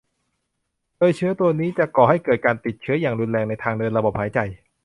โดยเชื้อตัวนี้จะก่อให้เกิดการติดเชื้ออย่างรุนแรงในทางเดินระบบหายใจ